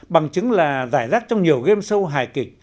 bằng chứng là giải rác trong nhiều game show hài kịch